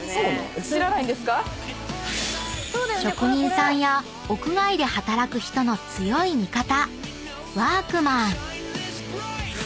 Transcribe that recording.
［職人さんや屋外で働く人の強い味方ワークマン］